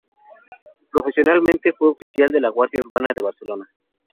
Profesionalmente, fue oficial de la Guardia Urbana de Barcelona.